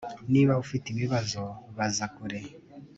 Niba ufite ibibazo baza kure